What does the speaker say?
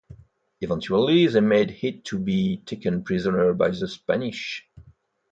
Eventually they made it to be taken prisoner by the Spanish.